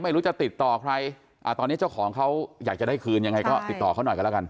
ไม่รู้จะติดต่อใครตอนนี้เจ้าของเขาอยากจะได้คืนยังไงก็ติดต่อเขาหน่อยกันแล้วกัน